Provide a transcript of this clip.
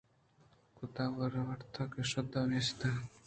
کُتہ، وارتہ۔۔۔ ءُ شُتہ" نبیسّگ رَد انت